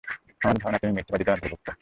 আমাদের ধারণা, তুমি মিথ্যাবাদীদের অন্তর্ভুক্ত।